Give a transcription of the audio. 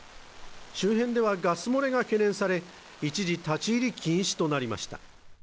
周辺ではガス漏れが懸念され一時、立ち入り禁止となりました。